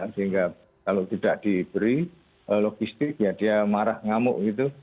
sehingga kalau tidak diberi logistik ya dia marah ngamuk gitu